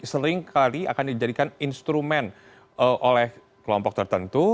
seringkali akan dijadikan instrumen oleh kelompok tertentu